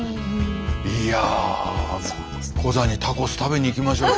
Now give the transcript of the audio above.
いやコザにタコス食べに行きましょうよ。